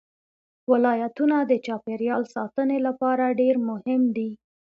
ولایتونه د چاپیریال ساتنې لپاره ډېر مهم دي.